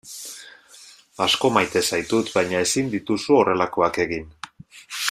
Asko maite zaitut baina ezin dituzu horrelakoak egin.